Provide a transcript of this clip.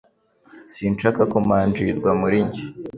Sinshaka ko umanjirwa muri njye